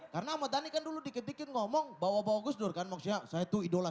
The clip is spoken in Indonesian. karena ahmad dhani kan dulu diketik ketik ngomong bawa bawa gus dur kan maksudnya saya itu idol